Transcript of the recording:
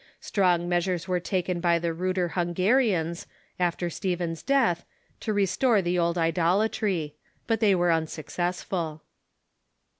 Strong measures were taken by the ruder Hungarians, after Stephen's death, to restore the old idolatry. But they were unsuccessful.